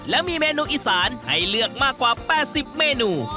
และมีเมนูอีสานให้เลือกมากกว่า๘๐เมนู